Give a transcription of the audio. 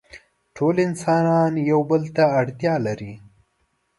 ټول انسانان يو بل ته اړتيا لري.